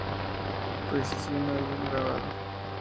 Precision habían grabado.